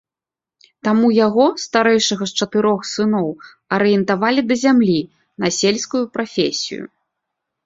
Таму яго, старэйшага з чатырох сыноў, арыентавалі да зямлі, на сельскую прафесію.